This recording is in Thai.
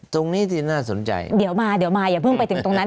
ตรงนี้ที่น่าสนใจเดี๋ยวมาเดี๋ยวมาอย่าเพิ่งไปถึงตรงนั้น